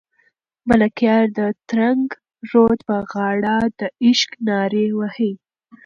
ملکیار د ترنګ رود په غاړه د عشق نارې وهي.